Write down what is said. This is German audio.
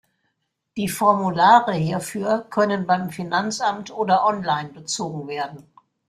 Die Formulare hierfür können beim Finanzamt oder online bezogen werden.